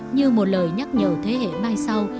như một lời nhắc nhở thế hệ mai sau